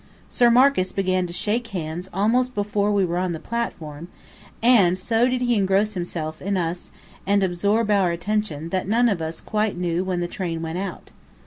Sir Marcus began to shake hands almost before we were on the platform; and so did he engross himself in us and absorb our attention that none of us quite knew when the train went out.